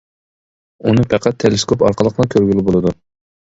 ئۇنى پەقەت تېلېسكوپ ئارقىلىقلا كۆرگىلى بولىدۇ.